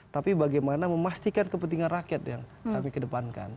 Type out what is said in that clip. tapi bagaimana memastikan kepentingan rakyat yang kami kedepankan